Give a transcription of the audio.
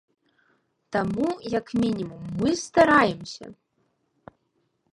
Таму, як мінімум, мы стараемся.